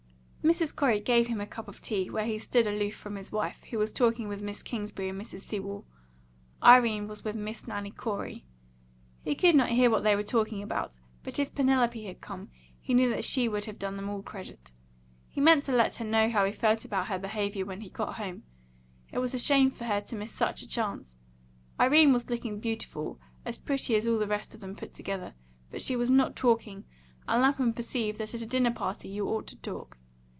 Miss Corey gave him a cup of tea, where he stood aloof from his wife, who was talking with Miss Kingsbury and Mrs. Sewell; Irene was with Miss Nanny Corey. He could not hear what they were talking about; but if Penelope had come, he knew that she would have done them all credit. He meant to let her know how he felt about her behaviour when he got home. It was a shame for her to miss such a chance. Irene was looking beautiful, as pretty as all the rest of them put together, but she was not talking, and Lapham perceived that at a dinner party you ought to talk.